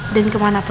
selama yang runtuh